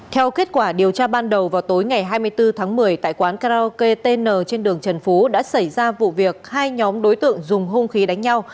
theo kết quả điều tra ban đầu vào tối ngày hai mươi bốn tháng một mươi tại quán karaoke tn trên đường trần phú đã xảy ra vụ việc hai nhóm đối tượng dùng hung khí đánh nhau